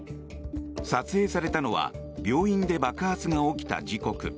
撮影されたのは病院で爆発が起きた時刻。